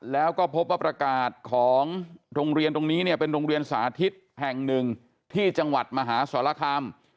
แล้วก็พบว่าประกาศของโรงเรียนตรงนี้เนี่ยเป็นโรงเรียนสาธิตแห่งหนึ่งที่จังหวัดมหาสรคาม